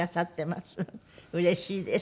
うれしいです。